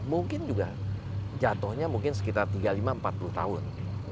mungkin juga jatuhnya mungkin sekitar tiga puluh lima empat puluh tahun